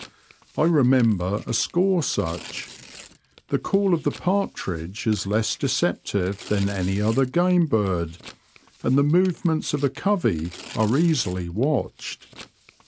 I remember a score such. The call of the partridge is less deceptive than any other game bird, and the movements of a covey are easily watched.